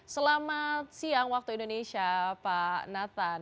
selamat siang waktu indonesia pak nathan